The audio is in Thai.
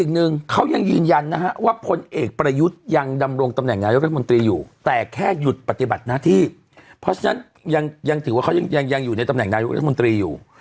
ยืนยันนะฮะว่าผลเอกประยุทธ์ยังดำรงตำแหน่งนายรัฐมนตรีอยู่แต่แค่หยุดปฏิบัติหน้าที่เพราะฉะนั้นยังยังถือว่าเขายังยังอยู่ในตำแหน่งนายรัฐมนตรีอยู่